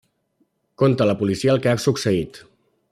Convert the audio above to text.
Conta a la policia el que ha succeït.